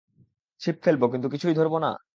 ছিপ ফেলব কিন্তু কিছুই ধরব না?